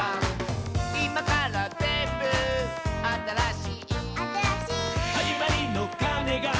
「いまからぜんぶあたらしい」「あたらしい」「はじまりのかねが」